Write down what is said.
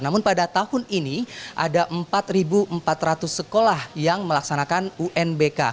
namun pada tahun ini ada empat empat ratus sekolah yang melaksanakan unbk